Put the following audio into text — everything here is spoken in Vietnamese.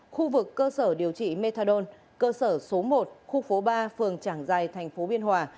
khu vực cơ sở điều trị methadone cơ sở số một khu phố ba phường trảng giài thành phố biên hòa